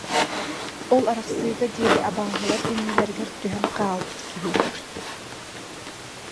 Ол арахсыыга диэри абааһылар иннилэригэр түһэн хаалбыт киһи